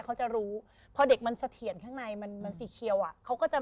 คือคุณยังไงเกิดเข้าเช้า